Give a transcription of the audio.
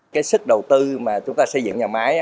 cái sức đầu tư mà chúng ta xây dựng nhà máy